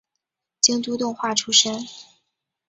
京都动画出身。